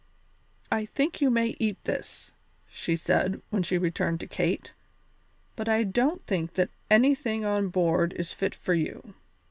"I think you may eat this," she said, when she returned to Kate, "but I don't think that anything on board is fit for you.